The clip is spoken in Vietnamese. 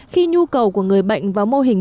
khi nhu cầu của người bệnh và mô hình